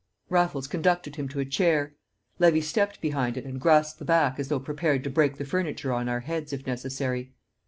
Raffles conducted him to a chair. Levy stepped behind it and grasped the back as though prepared to break the furniture on our heads if necessary.